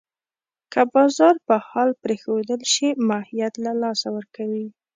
که بازار په حال پرېښودل شي، ماهیت له لاسه ورکوي.